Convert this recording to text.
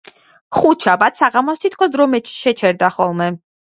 ხუთშაბათ საღამოს თითქოს დრო ჩერდება ხოლმე.